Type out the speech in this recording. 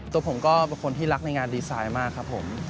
ตัวผมก็เป็นคนที่รักในงานดีไซน์มากครับผม